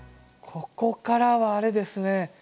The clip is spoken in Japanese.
ここからはあれですね